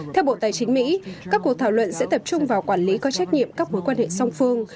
theo bộ tài chính mỹ các cuộc thảo luận sẽ tập trung vào quản lý có trách nhiệm các mối quan hệ song phương